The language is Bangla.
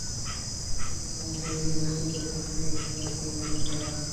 পরে এসব সমস্যা রেলওয়ে কর্তৃপক্ষের কাছে সুপারিশ আকারে তুলে ধরবেন তাঁরা।